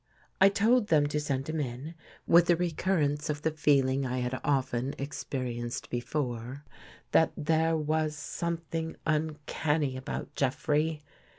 I told them to send him in, with a recurrence of the feeling I had often experienced before, that there 141 THE GHOST GIRL was something uncanny about Jeffrey.